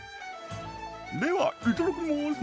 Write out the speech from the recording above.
ではいただきます。